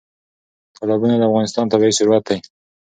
تالابونه د افغانستان طبعي ثروت دی.